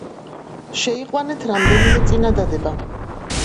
შეიყვანეთ რაიმე წინადადება